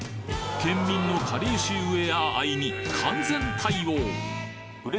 県民のかりゆしウエア愛に完全対応！